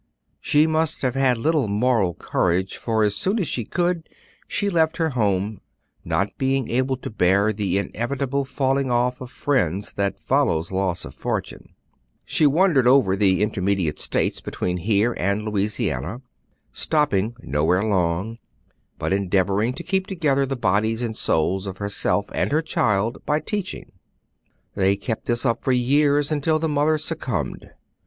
She must have had little moral courage, for as soon as she could, she left her home, not being able to bear the inevitable falling off of friends that follows loss of fortune. She wandered over the intermediate States between here and Louisiana, stopping nowhere long, but endeavoring to keep together the bodies and souls of herself and child by teaching. They kept this up for years until the mother succumbed.